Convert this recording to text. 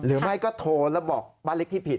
หรือไม่ก็โทรแล้วบอกบ้านเล็กที่ผิด